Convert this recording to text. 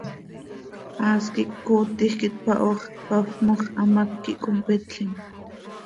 Haas quih cöcootij quih tpaho x, tpafmoj x, hamác quih competlim.